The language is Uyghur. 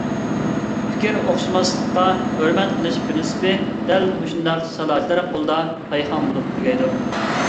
پىكىر ئوخشاشماسلىققا ھۆرمەت قىلىش پىرىنسىپى دەل مۇشۇنداق سالاچىلار قولىدا پايخان بولۇپ تۈگەيدۇ.